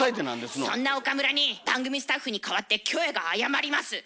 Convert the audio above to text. そんな岡村に番組スタッフに代わってキョエが謝ります。